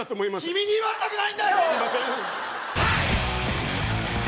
君に言われたくないんだよ！